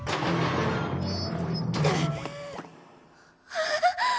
あっ！